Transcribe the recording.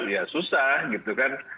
ya susah gitu kan